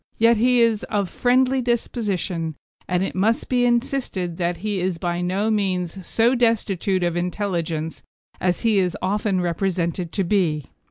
Yet he is of friendly disposition, and it must be insisted that he is by no means so destitute of intelligence as he is often represented to be.